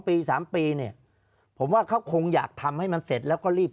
ปี๓ปีเนี่ยผมว่าเขาคงอยากทำให้มันเสร็จแล้วก็รีบ